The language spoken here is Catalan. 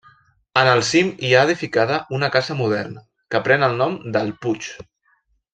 En el cim hi ha edificada una casa moderna, que pren el nom del puig.